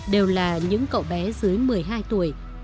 đều là những cậu bé dưới một mươi hai tuổi